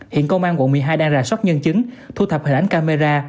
hiện công an quận một mươi hai đang rà soát nhân chứng thu thập hình ảnh camera